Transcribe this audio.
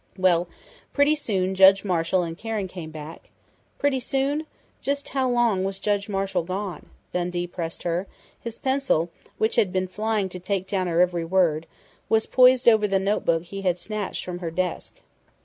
Well, pretty soon Judge Marshall and Karen came back " "Pretty soon? Just how long was Judge Marshall gone?" Dundee pressed her, his pencil, which had been flying to take down her every word, poised over the notebook he had snatched from her desk.